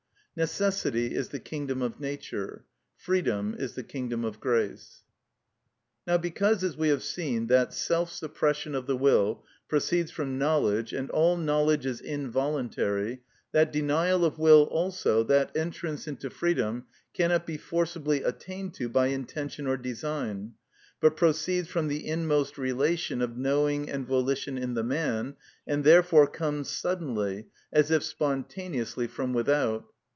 Necessity is the kingdom of nature; freedom is the kingdom of grace. Now because, as we have seen, that self suppression of the will proceeds from knowledge, and all knowledge is involuntary, that denial of will also, that entrance into freedom, cannot be forcibly attained to by intention or design, but proceeds from the inmost relation of knowing and volition in the man, and therefore comes suddenly, as if spontaneously from without.